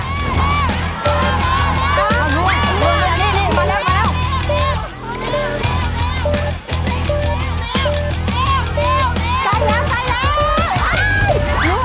ใจแล้วใจแล้ว